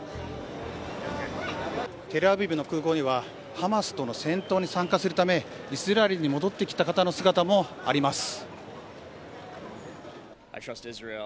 テルアビブの空港にはハマスとの戦闘に参加するためイスラエルに戻ってきた方の姿もあります。